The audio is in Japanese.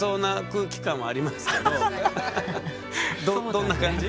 どどんな感じ？